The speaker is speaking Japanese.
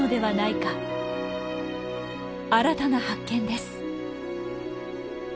新たな発見です。